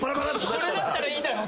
これだったらいいだろ。